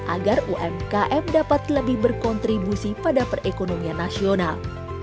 agar umkm dapat lebih berkontribusi pada perekonomian nasional